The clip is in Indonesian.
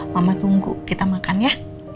mama tunggu kita makan ya